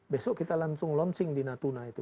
besok kita langsung launching di natuna itu